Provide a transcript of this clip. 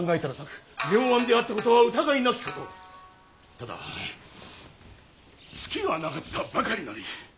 ただツキがなかったばかりなり。